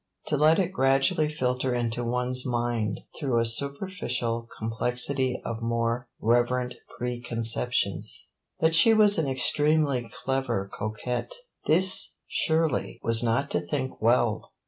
To let it gradually filter into one's mind, through a superficial complexity of more reverent preconceptions, that she was an extremely clever coquette this, surely, was not to think well!